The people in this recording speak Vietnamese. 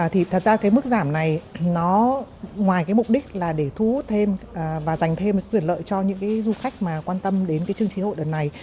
thật ra cái mức giảm này nó ngoài cái mục đích là để thu hút thêm và dành thêm quyền lợi cho những du khách mà quan tâm đến chương trình hội đợt này